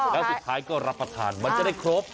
แล้วสุดท้ายก็รับประทานมันจะได้ครบ